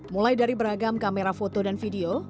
mulai dari beragam kamera foto dan video